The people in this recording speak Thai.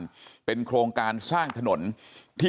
ทำให้สัมภาษณ์อะไรต่างนานไปออกรายการเยอะแยะไปหมด